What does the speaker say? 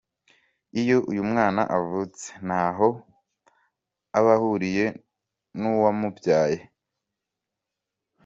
Iyo uyu mwana avutse ntaho abahuriye n’ uwamubyaye, kuko akurikiza amaraso y’abatanze intanga.